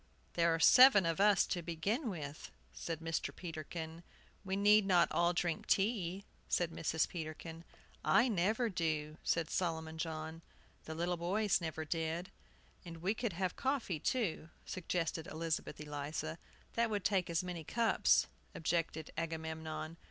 "There are seven of us, to begin with," said Mr. Peterkin. "We need not all drink tea," said Mrs. Peterkin. "I never do," said Solomon John. The little boys never did. "And we could have coffee, too," suggested Elizabeth Eliza. "That would take as many cups," objected Agamemnon.